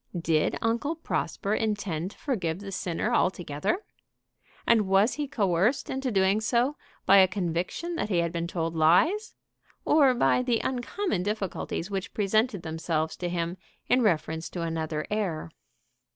Did Uncle Prosper intend to forgive the sinner altogether? And was he coerced into doing so by a conviction that he had been told lies, or by the uncommon difficulties which presented themselves to him in reference to another heir?